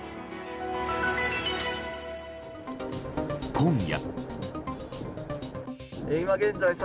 今夜。